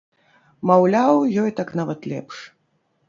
Маўляў, ёй так нават лепш.